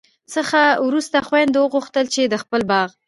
څخه وروسته خویندو وغوښتل چي د خپل باغ